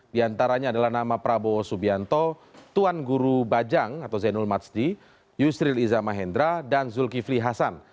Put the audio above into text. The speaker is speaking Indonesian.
di antaranya adalah nama prabowo subianto tuan guru bajang atau zainul matsdi yusril iza mahendra dan zulkifli hasan